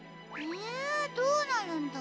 えどうなるんだ？